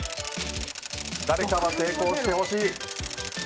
誰かは成功してほしい。